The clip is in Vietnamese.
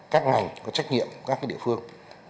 các ngành có trách nhiệm các cái địa phương